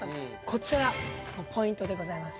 こちらポイントでございます。